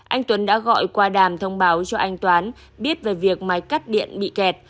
anh tuấn đã gọi qua đàm thông báo cho anh toán biết về việc máy cắt điện bị kẹt